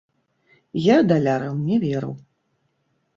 Я далярам не веру.